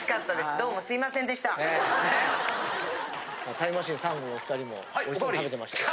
タイムマシーン３号のお２人もおいしそうに食べてましたけど。